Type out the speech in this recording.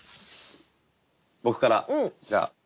僕からじゃあ。